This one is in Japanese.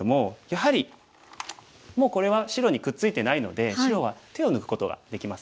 やはりもうこれは白にくっついてないので白は手を抜くことができますね。